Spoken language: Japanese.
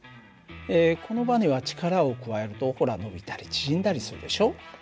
このばねは力を加えるとほら伸びたり縮んだりするでしょ。